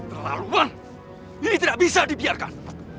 terlaluan ini tidak bisa dibiarkan